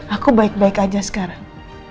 aku baik baik aja sekarang